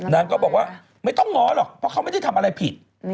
นางก็บอกว่าไม่ต้องง้อหรอกเพราะเขาไม่ได้ทำอะไรผิด